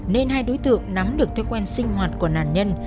nên hai đối tượng nắm được thói quen sinh hoạt của nạn nhân